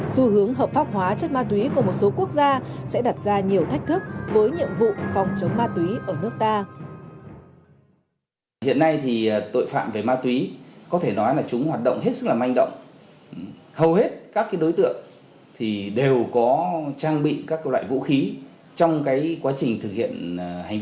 xu hướng hợp pháp hóa chất ma túy của một số quốc gia sẽ đặt ra nhiều thách thức với nhiệm vụ phòng chống ma túy ở nước ta